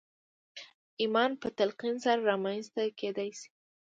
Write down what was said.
ايمان په تلقين سره رامنځته کېدای شي.